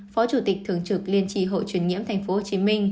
phó chủ tịch thường trực liên tri hội truyền nhiễm tp hcm